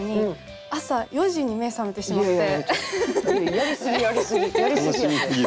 やりすぎやりすぎやて。